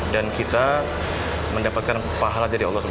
dan kita mendapatkan pahala dari allah swt